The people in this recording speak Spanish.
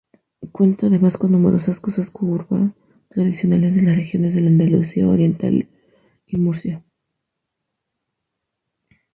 Cuenta, además, con numerosas casas-cueva, tradicionales de las regiones de Andalucía Oriental y Murcia.